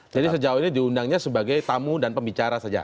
jadi sejauh ini diundangnya sebagai tamu dan pembicara saja